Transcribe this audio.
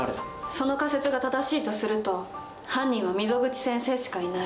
その仮説が正しいとすると犯人は溝口先生しかいない。